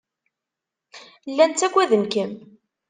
Llan ttaggaden-kem.